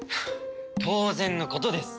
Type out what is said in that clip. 当然のことです。